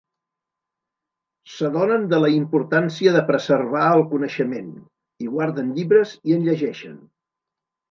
S'adonen de la importància de preservar el coneixement, i guarden llibres i en llegeixen.